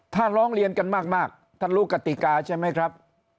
ถ้าร้องเรียนกันมากท่านรู้กติกาใช่ไหมครับ